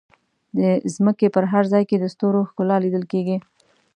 د ځمکې په هر ځای کې د ستورو ښکلا لیدل کېږي.